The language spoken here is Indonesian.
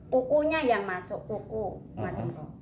kukunya yang masuk kuku